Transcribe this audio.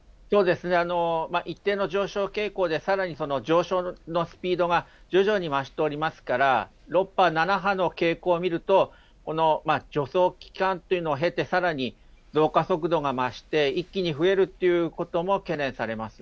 一定の上昇傾向で、さらに上昇のスピードが徐々に増しておりますから、６波、７波の傾向を見ると、助走期間というのを経て、さらに増加速度が増して、一気に増えるということも懸念されます。